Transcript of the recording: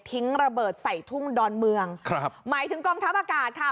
ระเบิดใส่ทุ่งดอนเมืองครับหมายถึงกองทัพอากาศค่ะ